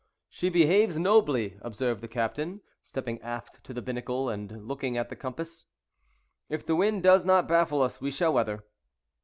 "She behaves nobly," observed the captain, stepping aft to the binnacle, and looking at the compass; "if the wind does not baffle us, we shall weather."